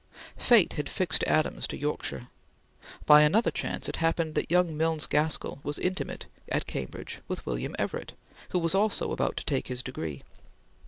Fate had fixed Adams to Yorkshire. By another chance it happened that young Milnes Gaskell was intimate at Cambridge with William Everett who was also about to take his degree.